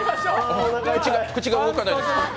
口が動かないです。